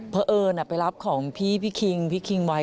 เพราะเอิญไปรับของพี่คิงพี่คิงไว้